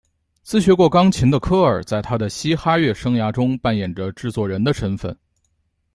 自学过钢琴的科尔在他的嘻哈乐生涯中扮演着制作人的身份。